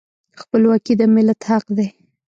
خپلواکي د ملت حق دی.